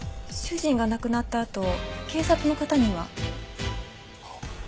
主人が亡くなったあと警察の方には。